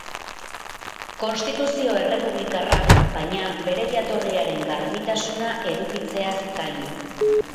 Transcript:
Konstituzio errepublikarrak, baina, bere jatorriaren garbitasuna edukitzeaz gain.